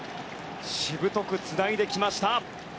しぶとくつないできました。